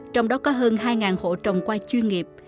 trong đó có hơn hai ngàn hộ trồng qua chuyên nghiệp